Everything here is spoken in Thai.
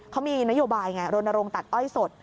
เขามีนโยบายน์ไงโรนโรงตัดอ้อยสด